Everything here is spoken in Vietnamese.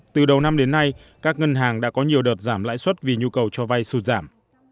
từ đầu năm đến nay các ngân hàng đã có nhiều đợt giảm lãi suất vì nhu cầu cho vay sụt giảm